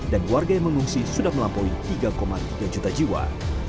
dan warga yang mengungsi sudah melampaui tiga tiga juta jiwa